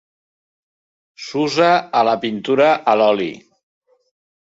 S'usa a la pintura a l'oli.